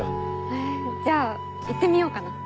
へぇじゃあ行ってみようかな。